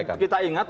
harus kita ingat